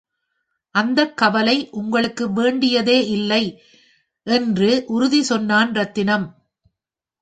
அந்தக் கவலை உங்களுக்கு வேண்டியதே இல்லை என்று உறுதி சொன்னான் ரத்தினம்.